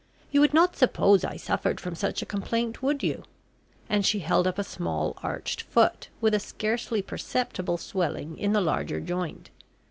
"You would not suppose I suffered from such a complaint, would you?" and she held up a small arched foot, with a scarcely perceptible swelling in the larger joint.